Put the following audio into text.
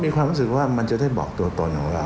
มีความรู้สึกว่ามันจะได้บอกตัวตนของเรา